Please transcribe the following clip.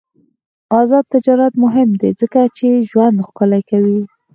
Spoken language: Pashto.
آزاد تجارت مهم دی ځکه چې ژوند ښکلی کوي.